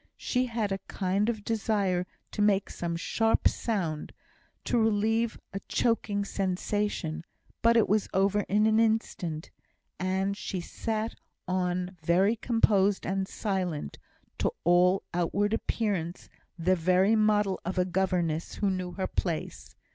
She had a kind of desire to make some sharp sound, to relieve a choking sensation, but it was over in an instant, and she sat on very composed and silent to all outward appearance the very model of a governess who knew her place.